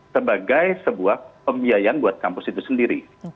sebagai sebuah pembiayaan buat kampus itu sendiri